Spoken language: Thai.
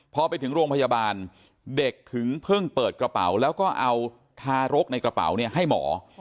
พอไปถึงโรงพยาบาลเด็กถึงเพิ่งเปิดกระเป๋าแล้วก็เอาทารกในกระเป๋าให้หมอ